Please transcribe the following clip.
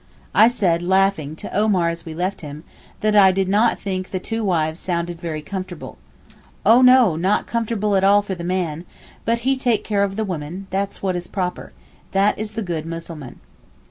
I said, laughing, to Omar as we left him, that I did not think the two wives sounded very comfortable. 'Oh no! not comfortable at all for the man, but he take care of the women, that's what is proper—that is the good Mussulman.